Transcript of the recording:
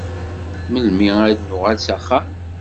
Melmi ara nuɣal s axxam?